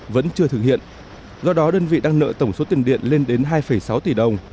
vẫn chưa thực hiện do đó đơn vị đang nợ tổng số tiền điện lên đến hai sáu tỷ đồng